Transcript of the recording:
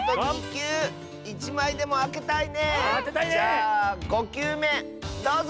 じゃあ５きゅうめどうぞ！